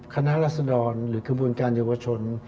คณะรัศน์รรณหรือกระบวนการเยาวชน